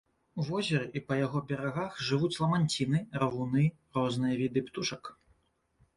У возеры і па яго берагах жывуць ламанціны, равуны, розныя віды птушак.